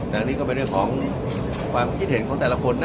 อันนี้ก็เป็นเรื่องของความคิดเห็นของแต่ละคนนะ